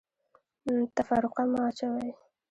تفرقه مه اچوئ